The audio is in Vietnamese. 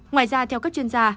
ngoài ra theo các chuyên gia